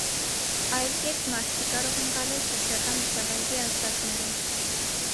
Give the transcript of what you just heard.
Այլ կերպ մարդ չի կարող ընկալել շրջակա միջավայրի ազդակները։